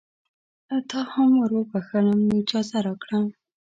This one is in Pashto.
تا یې هم وروبخښلم نو اجازه راکړه.